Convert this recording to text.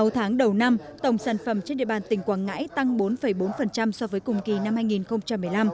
sáu tháng đầu năm tổng sản phẩm trên địa bàn tỉnh quảng ngãi tăng bốn bốn so với cùng kỳ năm hai nghìn một mươi năm